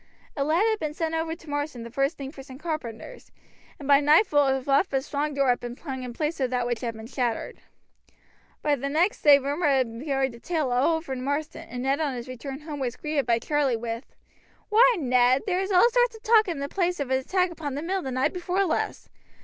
A lad had been sent over to Marsden the first thing for some carpenters, and by nightfall a rough but strong door had been hung in place of that which had been shattered. By the next day rumor had carried the tale all over Marsden, and Ned on his return home was greeted by Charlie with: "Why, Ned, there is all sorts of talk in the place of an attack upon the mill the night before last.